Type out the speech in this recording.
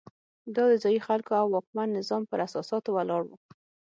دا د ځايي خلکو او واکمن نظام پر اساساتو ولاړ وو.